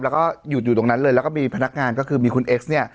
แล้วก็หยุดอยู่ตรงนั้นเลยแล้วก็มีพนักงานก็คือมีคุณเอ็กซ์เนี่ย